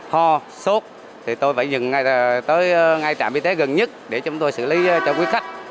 ho sốt thì tôi phải dừng ngay tới ngay trạm y tế gần nhất để chúng tôi xử lý cho quý khách